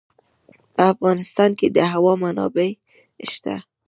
په افغانستان کې د هوا منابع شته.